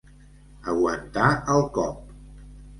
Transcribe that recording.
Aguantar el cop.